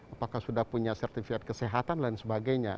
apakah sudah punya sertifikat kesehatan dan sebagainya